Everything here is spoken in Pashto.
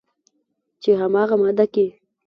چې همغه ماده کې